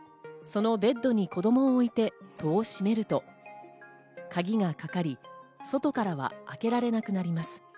そのベッドに子供を置いて戸を閉めると、鍵がかかり、外からは開けられなくなります。